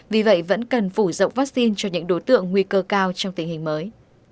vì vậy vẫn cần phủ rộng vaccine cho những đối tượng nguy cơ cao trong tình hình mới